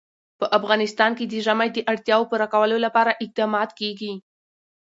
په افغانستان کې د ژمی د اړتیاوو پوره کولو لپاره اقدامات کېږي.